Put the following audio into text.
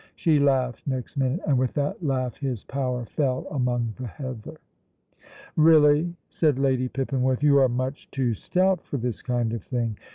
She laughed next minute, and with that laugh his power fell among the heather. "Really," said Lady Pippinworth, "you are much too stout for this kind of thing."